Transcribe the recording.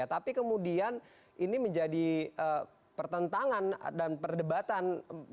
tapi kemudian ini menjadi pertentangan dan perdebatan